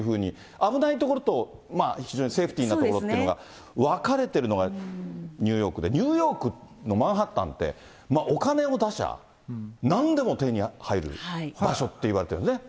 危ない所と非常にセーフティーな所っていうのが分かれてるのが、ニューヨークで、ニューヨークのマンハッタンって、お金をだしゃなんでも手に入る場所っていわれてるんですね。